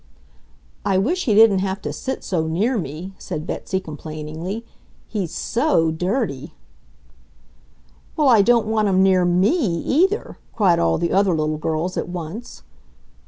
"I wish he didn't have to sit so near me," said Betsy complainingly. "He's SO dirty." "Well, I don't want him near ME, either!" cried all the other little girls at once.